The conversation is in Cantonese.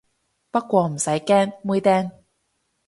不過唔使驚，妹釘